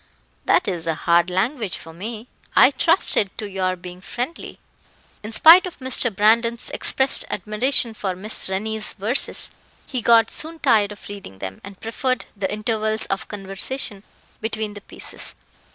that is hard language for me. I trusted to your being friendly." In spite of Mr. Brandon's expressed admiration for Miss Rennie's verses, he got soon tired of reading them, and preferred the intervals of conversation between the pieces.